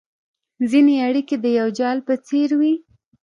ځیني اړیکي د یو جال په څېر وي